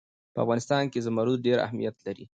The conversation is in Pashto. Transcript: په افغانستان کې زمرد ډېر اهمیت لري.